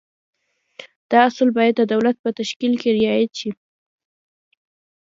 دا اصول باید د دولت په تشکیل کې رعایت شي.